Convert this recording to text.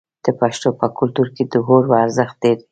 د پښتنو په کلتور کې د اور ارزښت ډیر دی.